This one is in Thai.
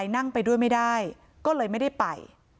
นั่งไปด้วยไม่ได้ก็เลยไม่ได้ไป